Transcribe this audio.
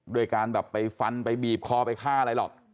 ด้วยการแบบไปฟันไปบีบคอไปฆ่าอะไรหรอก